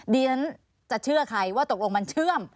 ดิฉันจะเชื่อใครว่าตกลงมันเชื่อม